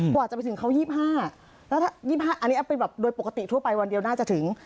กว่าจะไปถึงเขา๒๕แล้วถ้า๒๕อันนี้เป็นแบบโดยปกติทั่วไปวันเดียวน่าจะถึง